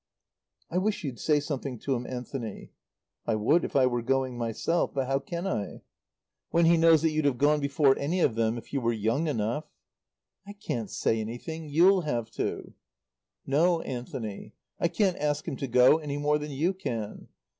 "I wish you'd say something to him, Anthony." "I would if I were going myself. But how can I?" "When he knows that you'd have gone before any of them if you were young enough." "I can't say anything. You'll have to." "No, Anthony. I can't ask him to go any more than you can.